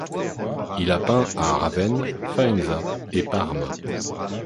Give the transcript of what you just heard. Il a peint à Ravenne, Faenza et Parme.